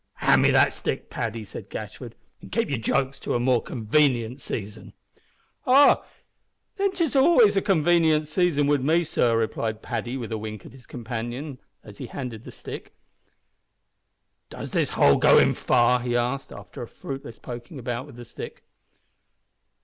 "Hand me that stick, Paddy," said Gashford, "and keep your jokes to a more convenient season." "Ah! then 'tis always a convanient season wid me, sor," replied Paddy, with a wink at his companions as he handed the stick. "Does this hole go far in?" he asked, after a fruitless poking about with the stick.